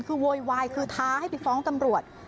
คือโวยวายคือท้าให้ไปฟ้องตำรวจ